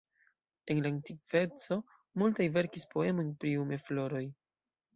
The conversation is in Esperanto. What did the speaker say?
En la antikveco multaj verkis poemojn pri umefloroj.